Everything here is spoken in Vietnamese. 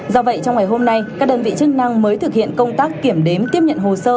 do vậy trong ngày hôm nay các đơn vị chức năng mới thực hiện công tác kiểm đếm tiếp nhận hồ sơ